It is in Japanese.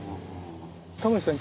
タモリさん